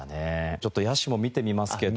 ちょっと野手も見てみますけど。